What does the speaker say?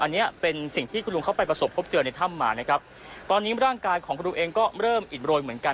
อันนี้เป็นสิ่งที่คุณลุงเขาไปประสบพบเจอในถ้ำมานะครับตอนนี้ร่างกายของคุณลุงเองก็เริ่มอิดโรยเหมือนกัน